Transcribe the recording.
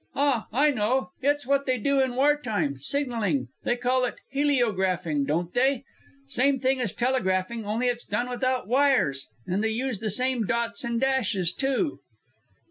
"Ah, I know! It's what they do in war time signaling. They call it heliographing, don't they? Same thing as telegraphing, only it's done without wires. And they use the same dots and dashes, too."